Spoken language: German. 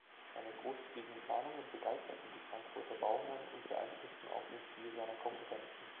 Seine großzügigen Planungen begeisterten die Frankfurter Bauherren und beeinflussten auch den Stil seiner Konkurrenten.